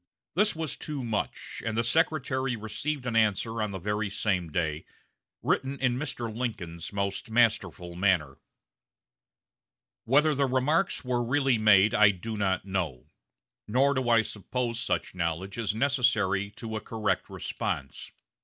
This was too much; and the Secretary received an answer on the very same day, written in Mr. Lincoln's most masterful manner: "Whether the remarks were really made I do not know, nor do I suppose such knowledge is necessary to a correct response.